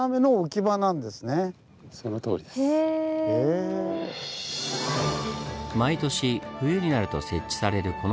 は！毎年冬になると設置される